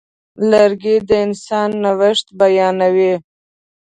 لرګی د انسان نوښت بیانوي.